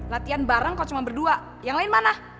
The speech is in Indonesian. latihan bareng kok cuma berdua yang lain mana